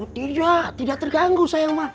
tidak tidak terganggu sayang